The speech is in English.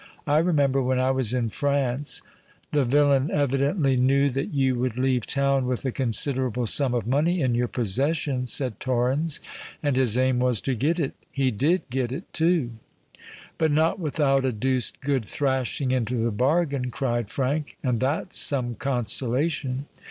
I remember, when I was in France——" "The villain evidently knew that you would leave town with a considerable sum of money in your possession," said Torrens; "and his aim was to get it. He did get it too." "But not without a deuced good thrashing into the bargain," cried Frank; "and that's some consolation."